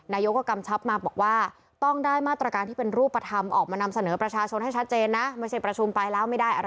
นายก็กำชับมาพอกว่าต้องได้มาตรการที่เป็นรูปประธำออกมานำเสนอประชาชนให้ชัดเจนนะ